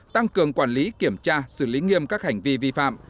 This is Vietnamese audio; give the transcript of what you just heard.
tăng cường quản lý kiểm tra xử lý nghiêm các hành vi vi phạm